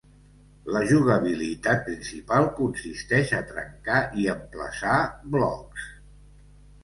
La jugabilitat principal consisteix a trencar i emplaçar blocs.